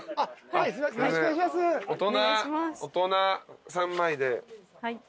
大人３枚で。